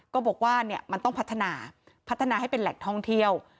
ก็บอกว่ามันต้องพัฒนาพัฒนาให้เป็นแหล่งท่องเที่ยว